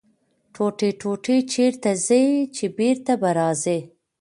ـ ټوټې ټوټې چېرته ځې ،چې بېرته به راځې.